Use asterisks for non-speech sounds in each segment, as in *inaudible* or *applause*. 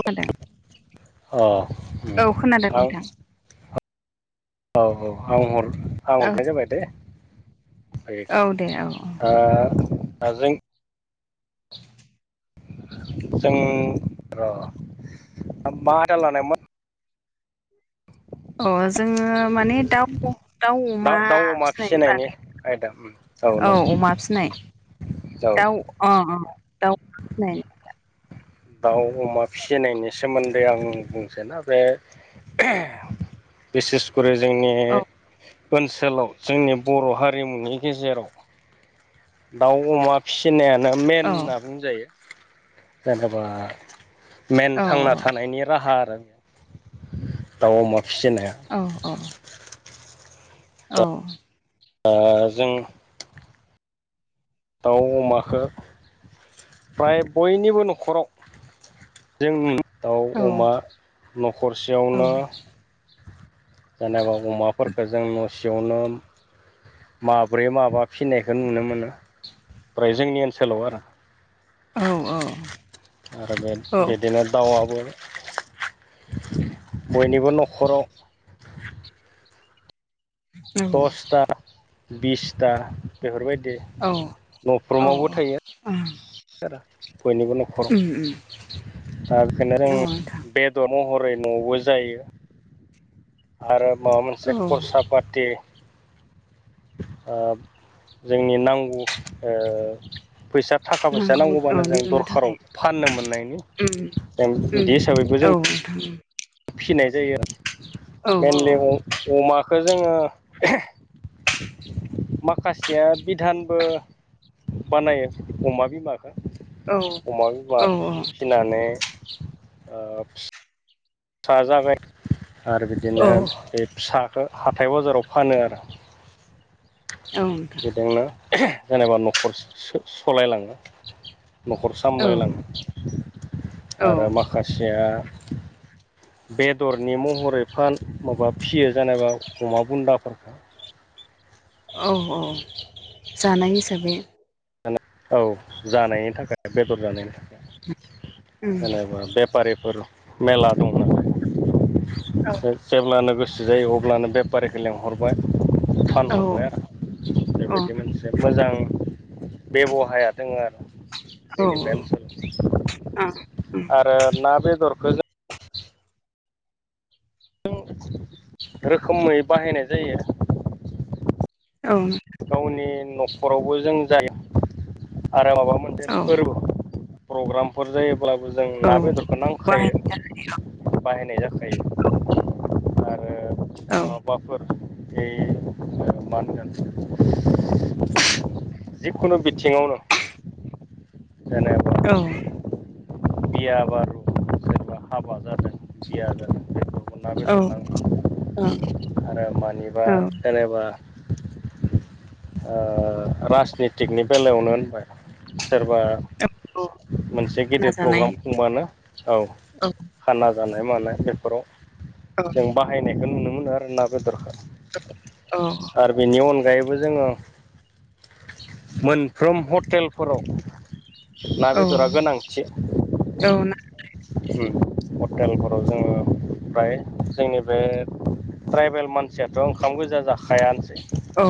खोनादों अ औ उम खोनादों आं नोंथां। औ औ आं हर आं औ हरनाय जाबाय दे। औ दे औ औ दा दाजों जों र' मा आयदा लानायमोन अ जोङो माने दाउ दाउ अमा दाउ अमा फिसिनायनि बागै आयदा उम औ औ नंगौ नंगौ अमा फिनाय औ दाउ दाउ फिनाय दाउ अमा फिसिनायनि सोमोन्दै आं बुंसै ना बे बिसेसखरि जोंनि औ ओनसोलाव जोंनि बर' हारिमुनि गेजेराव दाउ अमा फिसिनायानो मेन औ होनना बुंजायो जेनेबा मेन औ थांना थानायनि राहा आरो बे दाउ अमा फिसिनाया औ औ औ ओ जों दाउ अमाखो फ्राय बयनिबो न'खराव जों दाउ औ अमा औ न'खरसेयावनो जेनेबा अमाफोरफोरखौ जों न'सेयावनो माब्रै माबा फिनायखौ नुनो मोनो फ्राय जोंनि ओनसोलाव आरो औ औ आरो बे बिदिनो दाउआबो बयनिबो न'खराव दसथा बिसथा बेफोरबायदि उम न'फ्रोमावबो थायो। बयनिबो न'खराव उम दा बेखायनो औ नोंथां जों बेदर महरै न'बो जायो आरो माबा मोनसे औ खरसा फाथि थि ओ जोंनि नांगौ ओ फैसा थाखा फैसा नांगौ अ नांगौबानो जों दिरुननो दरखाराव थाखाय फाननो मोननायनि उम बिदि उम हिसाबैबो जों औ नोंथां फिनाय जायो औ मेनलि औ अमाखौ जोङो माखासेया बिधानबो बानायो अमा बिमाखो औ अमा बिमा औ फि फिसिनानै ओ फिसा जाबाय आरो बिदिनो औ बे फिसाखौ हाथाय बाजाराव फानो आरो औ बेजोंनो जेनेबा न'खर सलायलाङो न'खर औ सामलायलाङो औ आरो माखा सिया बेदरनि महरै फान माबा फिसियो जेनेबा अमा बुन्दाफोर औ औ जानाय हिसाबै औ जानायनि थाखाय बेदर जानायनि थाखाय उम जेनेबा बे बेफारिफोर मेला दं नालाय जेब्लानो गोसो जायो अब्लानो बेफारिखौ लेंहरबाय औ फानहरबाय आरो औ बेबायदि मोनसे मोजां बेबहाया दोङो आरो औ जोंनि बे आ ओनसोलाव आरोना बेदरखौ जों रोखोमै बाहायनाय जायो औ गावनि न'खरावबो जों जायो आरो माबा मोनसे औ फोरबो प्रग्रामफोर जायोब्लाबो जों औ ना बेदरखौ नांखायो बाहायनांगौ बाहायनाय जाखायो। जायो आरो औ मा मुवाफोर जे ओ मा होनगोन जिखुनु बिथिङावनो जेनेबा औ बिया बारु जेनेबा हाबा जादों बिया जादों बेखौ ना बेदर नांगौ औ ओं आरो मानिबा औ जेनेबा *inaudible* ओ राजनिथिकनि बेलायावनो होनबाय सोरबा औ मोनसे खाना गेदेर जानाय प्रग्राम खुंबानो औ खाना जानाय मानाय औ बेफोराव जों बाहायनायखौ नुनो मोनो आरोना बेदरखो अ आरो बिनि अनगायैबो जोङो मोनफ्रोम हटेलफोराव ना औ-औ ना उम हटेलफोराव जोङो फ्राय जोंनि बे ट्राइबेल मानसियाथ' ओंखाम गोजा जाखायानोसै औ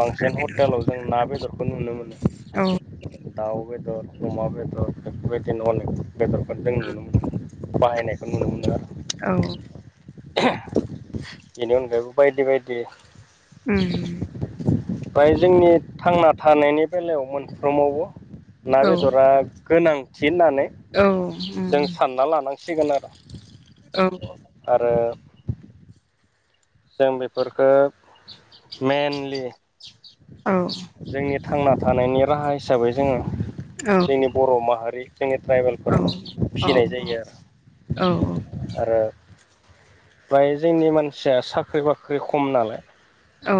बांसिन हटेलाव जों ना बेदरखौ नुनो मोनो औ दाव बेदर अमा बेदर बेफोरबायदि बिनो अनेक बेदरखौ जों नुनो मोनो बाहायनायखौ नुनो मोनो आरो औ बेनि अनगायैबो बायदि-बायदि उम ओमफ्राय जोंनि थांना थानायनि बेलायाव मोनफ्रोमावबो ना औ बेदरा गोनांथि होननानै औ उम जों सानना लानांसिगोन आरो। औ आरो जों बेफोरखो मेनलि औ औ जोंनि थांना थानायनि राहा हिसाबै जोङो औ जोंनि बर' माहारि जोंनि औ ट्राइबेलफोरा औ फिसिनाय जायो आरो आरो फ्राय जोंनि मानसिया साख्रि बाख्रि खम नालाय। औ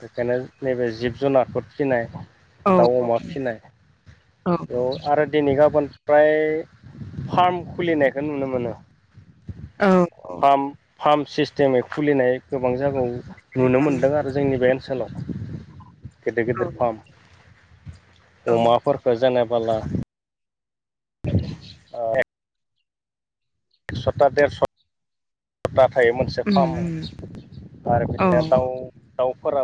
बेखायनो नैबे जिब जुनारखौ फिनाय दाउ अमा फिनाय बेयाव आरो दिनै गाबोन फ्राय फार्म खुलिनायखौ नुनो मोनो। पाम पाम्प सिस्टेमै खुलिनाय गोबां जागायाव नुनो मोनदों आरो जोंनि बे ओनसोलाव गेदेर गेदेर फार्म अमाफोरफोरखो जेनेबाला *unintelligible* *inaudible* एकस'ता देरस' ता थायो मोनसे उम उम फार्माव आरो बिदिया औ दाउ दाउफोरा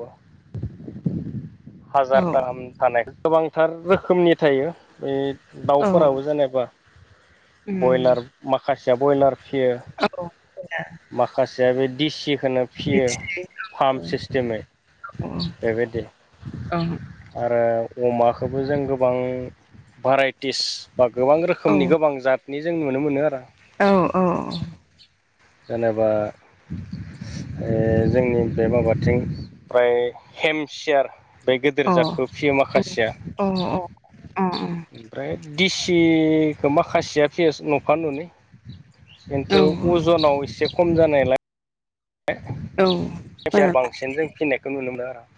औ हाजारथाहाम थानाय गोबांथार रोखोमनि थायो बे औ दाउफोराबो जेनेबा। उम बयलार माखासेया ब्रयलार फियो। औ *unintelligible* माखासेया बे दिसिखोनो फियो बिदि औ फाम्प सिस्टेमै औ बेबायदि। औ आरो अमाखोबो जों गोबां भाराइटिस बा गोबां औ रोखोमनि गोबां जात नि जों नुनो मोनो आरो। औ औ। जेनेबा ओ जोंनि बे माबाथिं फ्राय हेमसियार बे गेदेर औ जादखौ फियो माखासेया। अ अ ओमफ्राय दिसिखो माखासेया फिस न'खा नुनि अ खिन्थु उम आव एसे खम जानायलाय औ जायसाया बारा बांसिन जों फिननायखौ नुनो मोनो आरो आं।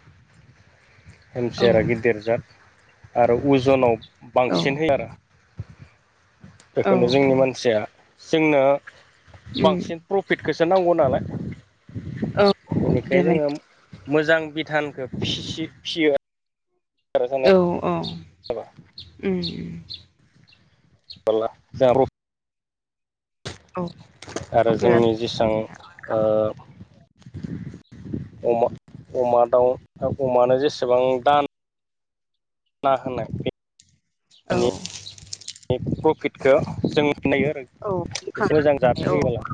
हेम सियारा लानाय गिदिर जाद आरो उजनाव बांसिन होयो आरो औ बेखायनो जोंनि मानसिया जोंनो बांसिन प्रफिटखोसो नांगौ नालाय। बेनिखाय देनाय जोङो मोजां बिधानखो फिसि-सि-फियो। औ देरनाय औ औ उम। *inaudible* औ। आरो बिराद जोंनि जेसां ओ अमा-अमा दाउ अमानो जेसेबां दान ना होनाय बे औ। प्रफिटखो जों नायो आरो औ एसे मोजां बोखांनानै जाफे औ होयोबोला।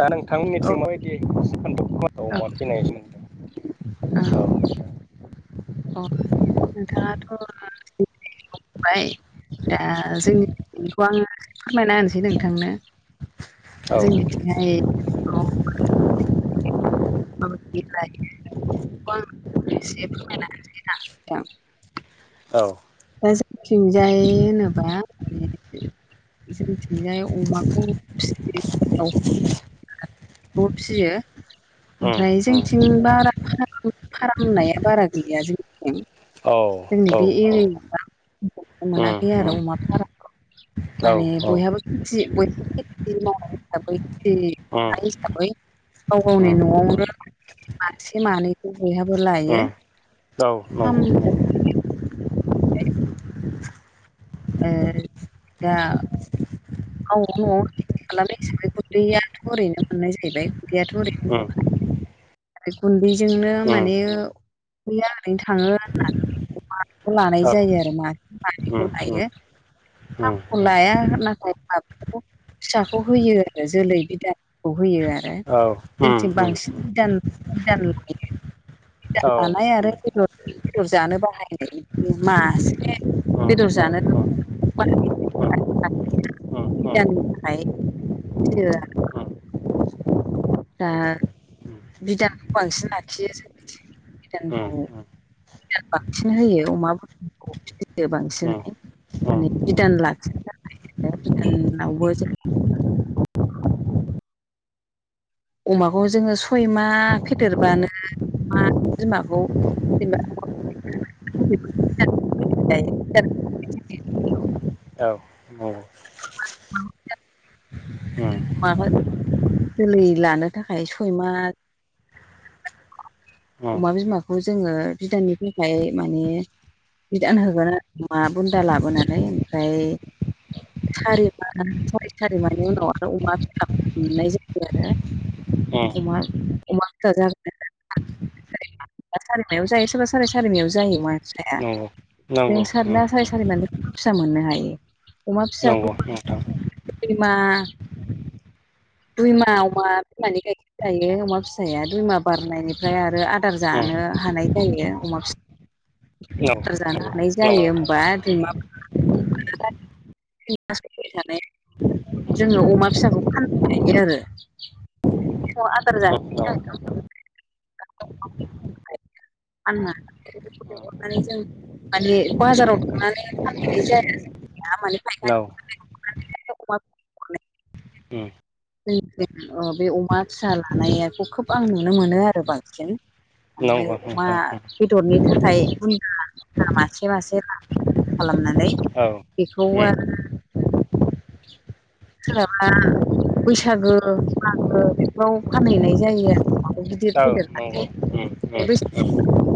दा नोंथांनि औ मिथिं माबायदि अमा फिनाय सोमोन्दै। औ। दाथ' *unintelligible* बाय दा जोंनि थिंखौ आङो फोरमायना होनोसै नोंथांनो औ जोंनिथिंहाय *unintelligible* से फोरमायना नोथां औ दा जोंथिंजाय होनोबा बिसोरथिजाय अमाखौ ओ *unintelligible* फिसियो उम ओमफ्राय उम जोंथिं बारा *unintelligible* फारामनाया बारा गैया जोंनिथिं। औ जोंनि औ उम बि इरि मोनाखै आरो उम अमा फाराखौ। औ माने उम बयहाबो थि ब *unintelligible* अ हिसाबै गाव गावनि न'आवनो मासे मानैखौ बयहाबो नंगौ उम लायो औ फार्मखौ नंगौ *unintelligible* ए *inaudible* दा औ खालामनाय हिसाबै गुन्दैयाथ' ओरैनो मोननाय जाहैबाय गुैयाथ' नंगौ ओरैनो ओमफ्राय गुन्दैजोंनो माने गैया ओरैनो थाङो होननानैमा लानाय जायो आरो ना। *unintelligible* लायो *unintelligible* खौ लाया *unintelligible* फिसाखौ होयो आरो जोलै बिदाखौ होयो आरो। जोंथिं बांसिन *unintelligible* दान लानाय आरो बेदर बेदर जानो बाहायनाय मासे बेदर जानो बाहाय बिधाननि थाखाय फियो दा बिदानखौ बांसिन लाखियो जोंनिथिं। उम बिदानखौ उम बांसिन होयो अमा *unintelligible* फियो बांसिनै माने बिदान लाखि *unintelligible* बिदानावबो *inaudible* अमाखौ जोङो सय मा फेदेरबानो अमा बिमाखौ *unintelligible* औ *unintelligible* उम माबा जोलै लानो थाखाय सय मा उम अमा बिमाखौ जोङो बिदाननि थाखाय माने बिदान होगोन अमा बुन्दा लाबोनानै ओमफ्राय सारि माह सारि सारिमानि उनाव आरो अमा *unintelligible* मोननाय जायो आरो उम अमा अमा *unintelligible* *unintelligible* सारिमायाव जायो सोरबा साराय सारिमायाव जायो *unintelligible* फिसाया नंगौ नंगौ जों उम सारा साराय उम सारिमान फिसा मोननो हायो। नंगौ नोंथां। *unintelligible* मा दुइ मा अमा बिमानि गाइखेर जायो अमा फिसाया दुइ मा बारनायनि ओमफ्राय आरो आदार उम जानो हानाय जायो अमा फि नंगौ *unintelligible* जानो हानाय नंगौ जायो नंगौ नोंथां उम होमबा *unintelligible* *unintelligible* *unintelligible* जोङो अमा फिसाखौ फाननो हायो आरो। अ आदार उम जाहो *unintelligible* *unintelligible* लेहरनानै जों माने बाजाराव थांनानै फानहनाय जाया। नंगौ *unintelligible* ओम ओ बे अमा फिसा लानायाखौ खोब आं नुनो मोनो आरो बांसिन ओमफ्राय नंगौ अमा नोंथां उम बेदरनि थाखाय बुन्दा बुन्दा मासे मासे ला खालामनानै औ बेखौ उम आरो सोराबा बैसागो मागो बेफोराव फानहैनाय जायो‌ औ नंगौ ओम बे बैसागो ओम ओम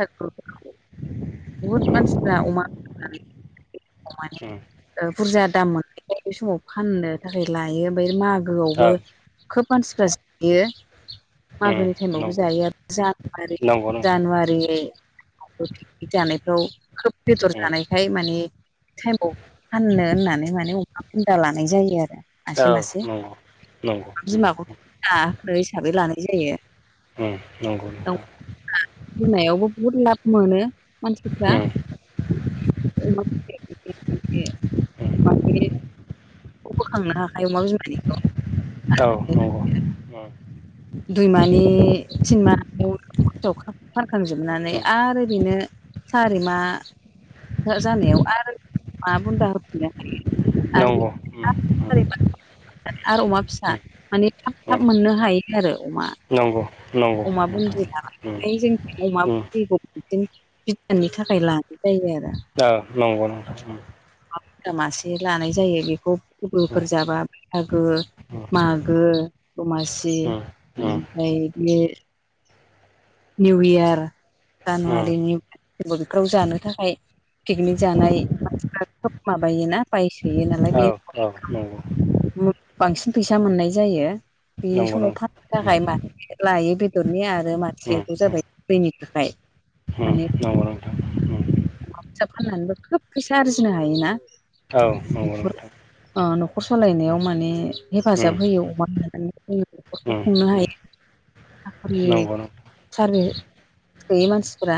बहुद मानसिफ्रा अमा फिनानै अमानि ओ बुरजा दाम मोननायखाय बे समाव फाननो थाखाय लायो ओमफाय मा गोओवबो खोब मानसिफ्रा जायो। मागोनि टाइमावबो जायो आरो जानुआरि जानुवारि *unintelligible* पिनिक जानायफ्राव खोब बेदर जानाय ओमफ्राय माने टाइमाव फाननो होननानै माने अमा *unintelligible* लानाय जायो आरो। मासे मासे बिमाखौथ' जाहो हिसाबै लानाय जायो ओम नों दाउ नोंथां होनायावबो बुहुद लाब मोनो मानसिफ्रा, *inaudible* बोखांनो हाखायो अमा बिमानिखौ औ नंगौ दुइमानि तिनमानि फानखांजोबनानै आरो बेनो सारिमा जानायाव आरो अमा बुन्दा होफिनो हायो नंगौ उम नंगौ उम उम *inaudible* फिसा उम माने थाब थाब उम मोननो हायो आरो अमा नंगौ नंगौ अमा नोंथां बुन्दि उम लानानै जों अमा उम बुन्दिखौ बिदिनो बिदाननि थाखाय लानाय जायो आरो ओ नोंगौ नोंथां नोंगौ अमा बुनदा मासे लानाय जायो बेखौ गोफोर जाबा बैसागो उम मागो दमासि उम आमफ्राय बे निउ इयार उम उम जानुवारिनि बेफोराव जानो थाखाय पिकनिक जानाय उम मानसिफ्रा खोब माबायोना बायसोयो औ नालाय बे औ नंगौ बांसिन फैसा मोननाय जायो बे नंगौ समाव नोंथां फाननो थाखाय माने लायो बेदरनि आरो मा खौ जाबाय दैनि थाखाय ओम नंगौ नोंथां उम औ अमा फिसा फाननानैबो खोब फैसा आरजिनो हायोना? औ नंगौं न'खर नोंथां ओ न'खर सलायनायाव माने हेफाजाब होयो अमा लानानै होयो नखौ खुंनो उम हायो साखरि नंगौ नों सारबिस गैयै मानसिफोरा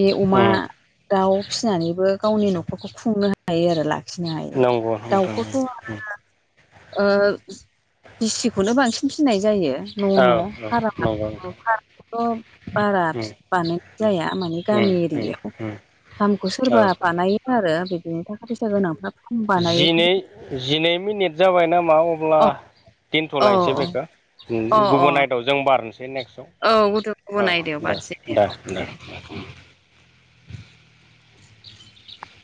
बे अमा उम दाउ फिसिनानैबो गावनि न'खरखौ खुंनो हायो आरो लाखिनो हायो नंगौ नोंथां दाउखौथ' ओ उम दिसिखौनो बांसिन फिनाय जायो *inaudible* औ नंगौ नोंथां थ' बारा उम बानायनाय जाया माने गामि उम एरियायाव उम उम फार्मखौ सोरबा औ बानायो आरो बिदिनो थाखा फैसा गोनांफ्रा फार्म बानायो जिनै खिन्थु जिनै मिनिट जाबाय नामा अब्ला अ अ दोनथलायनोसै बेखौ अ गुबुन आइदआव जों बारनोसै अ औ गुदुं नेक्स्टआव गुबुन औ आयदायाव दे बारसै दे औ दे *inaudible*